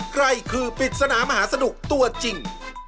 ใครคือปริศนามหาสนุกตัวจริง